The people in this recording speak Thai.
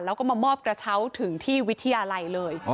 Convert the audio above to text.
แล้วก็มามอบกระเช้าถึงที่วิทยาลัยเลย